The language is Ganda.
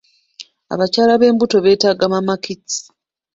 Abakyala b'embuto beetaaga mama kits.